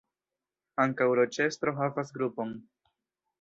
Ankaŭ Roĉestro havas grupon.